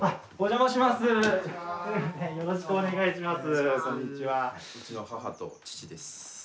うちの母と父です。